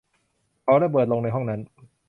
เขาระเบิดลงในห้องนั่น